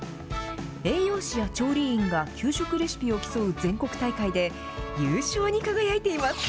栄養士や調理員が給食レシピを競う全国大会で、優勝に輝いています。